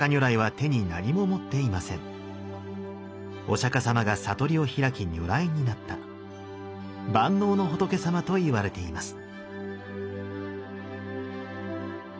お釈様が悟りを開き如来になった万能の仏様といわれています。